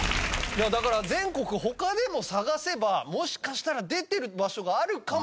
だから全国他でも探せばもしかしたら出てる場所があるかもしれないですよね。